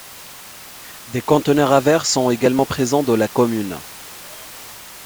Des conteneurs à verre sont également présents dans la commune.